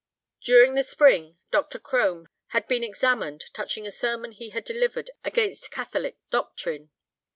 During the spring Dr. Crome had been examined touching a sermon he had delivered against Catholic doctrine.